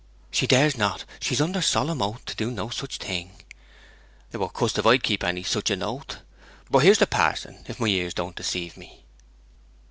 'She dares not. She's under solemn oath to do no such thing.' 'Be cust if I would keep any such oath! But here's the pa'son, if my ears don't deceive me.'